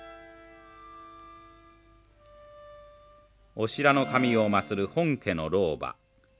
オシラの神を祭る本家の老婆。